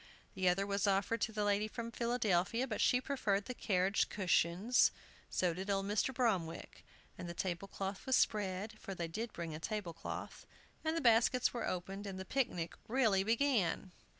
The other was offered to the lady from Philadelphia, but she preferred the carriage cushions; so did old Mr. Bromwick. And the table cloth was spread, for they did bring a table cloth, and the baskets were opened, and the picnic really began.